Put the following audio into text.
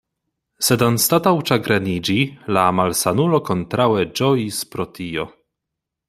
Sed anstataŭ ĉagreniĝi, la malsanulo kontraŭe ĝojis pro tio.